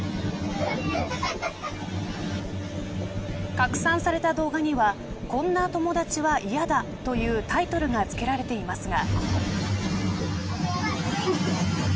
拡散された動画にはこんな友達は嫌だ、というタイトルが付けられていますが。